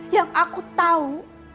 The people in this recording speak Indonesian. yang aku tau